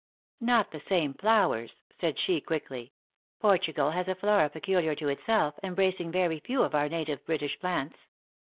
" Not the same flowers," said she, quickly. " Por tugal has a Flora peculiar to itself, embracing very few of our native British plants.